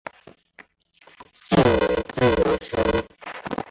现为自由身。